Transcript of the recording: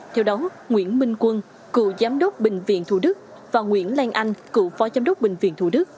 theo đó nguyễn minh quân cựu giám đốc bệnh viện thủ đức và nguyễn lan anh cựu phó giám đốc bệnh viện thủ đức